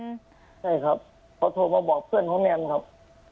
ใช่ครับเขาโทรมาบอกเพื่อนของแนมครับ